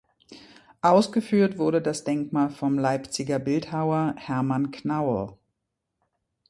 Ausgeführt wurde das Denkmal vom Leipziger Bildhauer Hermann Knaur.